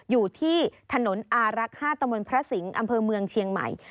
อยู่ที่ถนนอารักษ์๕ตะมนต์พระสิงห์อำเภอเมืองเชียงใหม่